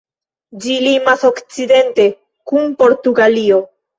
Ĝi limas okcidente kun Portugalio.